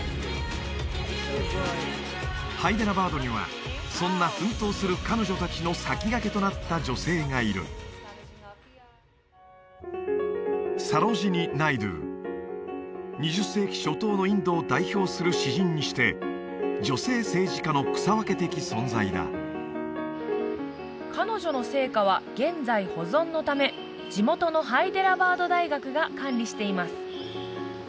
ハイデラバードにはそんな奮闘する彼女達の先駆けとなった女性がいる２０世紀初頭のインドを代表する詩人にして女性政治家の草分け的存在だ彼女の生家は現在保存のため地元のハイデラバード大学が管理しています